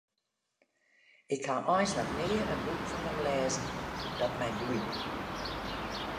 Ik ha eins noch nea in boek fan him lêzen dat my boeide.